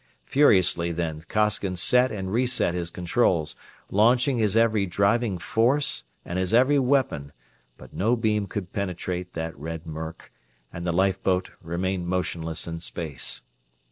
Furiously then Costigan set and reset his controls, launching his every driving force and his every weapon, but no beam could penetrate that red murk, and the lifeboat remained motionless in space.